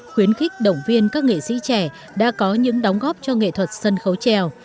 khuyến khích động viên các nghệ sĩ trẻ đã có những đóng góp cho nghệ thuật sân khấu trèo